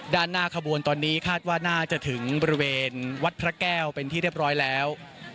ด้านหน้าขบวนตอนนี้คาดว่าน่าจะถึงบริเวณวัดพระแก้วเป็นที่เรียบร้อยแล้ว